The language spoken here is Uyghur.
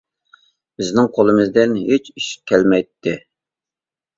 بىزنىڭ قولىمىزدىن ھېچ ئىش كەلمەيتتى.